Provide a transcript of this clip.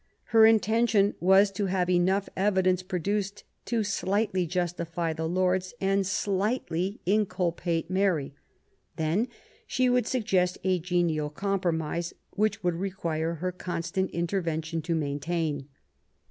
Her intention was to have enough evidence produced to slightly justify the Lords and slightly inculpate Mary : then she would suggest a genial compromise, which would require her constant intervention to maintain.